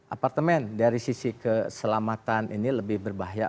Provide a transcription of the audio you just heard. apartemen dari sisi keselamatan ini lebih berbahaya